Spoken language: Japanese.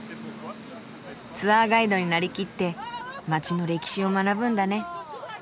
ツアーガイドになりきって街の歴史を学ぶんだね。